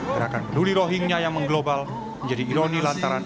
gerakan peduli rohingya yang mengglobal menjadi ironi lantaran